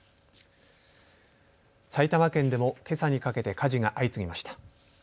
埼玉県でもけさにかけて火事が相次ぎました。